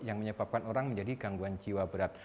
yang menyebabkan orang menjadi gangguan jiwa berat